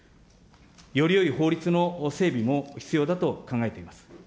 よりよい法律の整備も必要だと考えています。